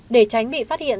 để tránh bị phát hiện